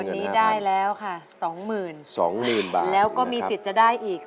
วันนี้ได้แล้วค่ะสองหมื่นสองหมื่นบาทแล้วก็มีสิทธิ์จะได้อีก